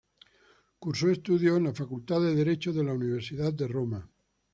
Cursó estudios en la facultad de Derecho de la Universidad de Roma.